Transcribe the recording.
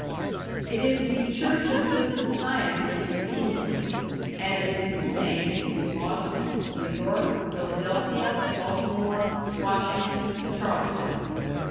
It is the Church of Good Society in England, and it is the same in Boston, New York, Philadelphia, Baltimore, Washington, Charleston.